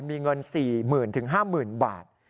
มีเงิน๔๐๐๐๐ถึง๕๐๐๐๐บาท